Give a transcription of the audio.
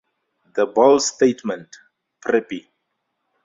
The bold statement ""Preppie!